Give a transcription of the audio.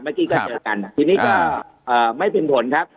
เมื่อกี้ก็เจอกันทีนี้ก็ไม่เป็นผลครับ